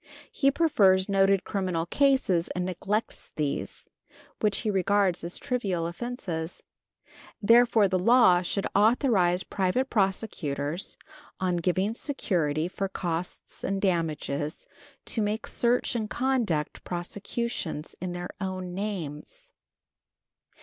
He prefers noted criminal cases and neglects these, which he regards as trivial offenses. Therefore the law should authorize private prosecutors, on giving security for costs and damages, to make search and conduct prosecutions in their own names.